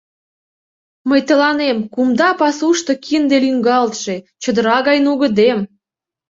Мый тыланем: кумда пасушто кинде лӱҥгалтше, чодыра гай нугыдем.